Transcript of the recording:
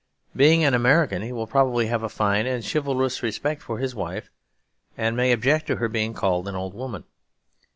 Being an American, he will probably have a fine and chivalrous respect for his wife; and may object to her being called an old woman.